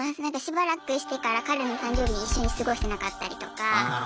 なんかしばらくしてから彼の誕生日に一緒に過ごしてなかったりとか。